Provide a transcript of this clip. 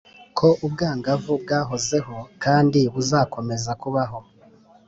ko ubwangavu bwahozeho kandi buzakomeza kubaho.